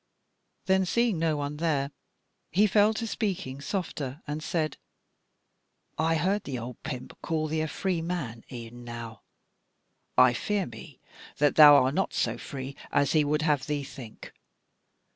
Then seeing no one there, he fell to speaking softer and said: "I heard the old pimp call thee a free man e'en now: I fear me that thou art not so free as he would have thee think.